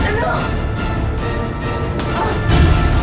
aduh mama ya